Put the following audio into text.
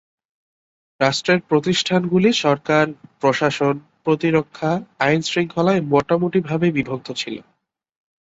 রাষ্ট্রের প্রতিষ্ঠানগুলি সরকার, প্রশাসন, প্রতিরক্ষা, আইন শৃঙ্খলায় মোটামুটিভাবে বিভক্ত ছিল।